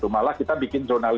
malah kita bikin zona lima